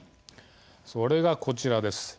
それが、こちらです。